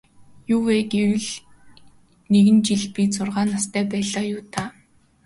Юу гэвэл тэр нэгэн жил би зургаан настай байлаа юу даа.